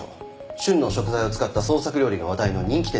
旬の食材を使った創作料理が話題の人気店です。